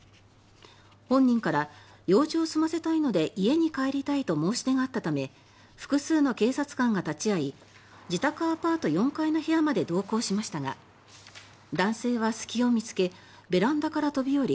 本人から、用事を済ませたいので家に帰りたいと申し出があったため複数の警察官が立ち会い自宅アパート４階の部屋まで同行しましたが男性は隙を見つけベランダから飛び降り